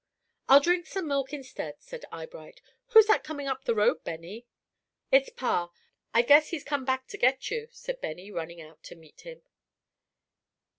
"I'll drink some milk instead," said Eyebright. "Who's that coming up the road, Benny?" "It's Pa. I guess he's come back to get you," said Benny, running out to meet him.